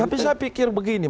tapi saya pikir begini